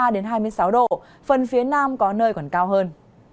ba hai mươi sáu độ phần phía nam có nơi còn cao hơn